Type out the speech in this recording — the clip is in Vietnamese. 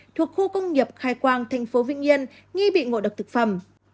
thuộc khu công nghiệp khai quang tp vĩnh yên nghi bị ngộ độc thực phẩm